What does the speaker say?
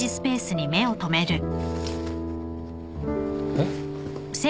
えっ？